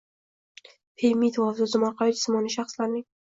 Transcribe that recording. «PayMe» to‘lov tizimi orqali jismoniy shaxslarning